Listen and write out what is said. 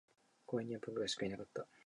公園には僕らしかいなかった